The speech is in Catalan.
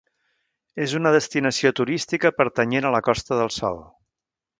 És una destinació turística pertanyent a la Costa del Sol.